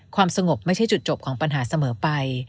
ความสงบไม่ใช่จุดจบของปัญหาเสมอไป